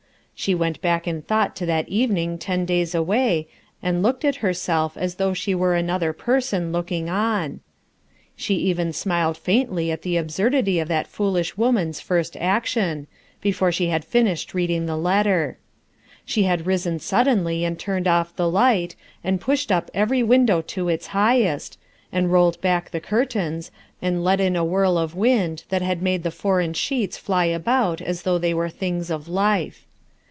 She went back in thought to that evening ten days away and looked at herself as though she were another person looking on* She even smiled faintly at the absurdity of that foolish woman's first action, before she had finished reading the letter. She had risen suddenly and turned off the light, and pushed up every window to its highest, and rolled back the curtains and let in a whirl of wind that had made the foreign sheets fly about as though they were things of life.